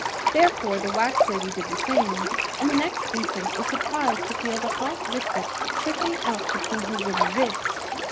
Therefore the wax lady did the same, and the next instant was surprised to feel the hot liquid trickling out between her wooden ribs.